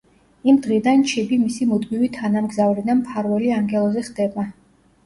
იმ დღიდან ჩიბი მისი მუდმივი თანამგზავრი და მფარველი ანგელოზი ხდება.